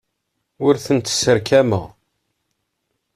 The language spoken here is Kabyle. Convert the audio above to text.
Ur tent-sserkameɣ.